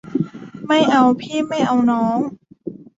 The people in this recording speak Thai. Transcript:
ไม่เอาพี่เอาน้อง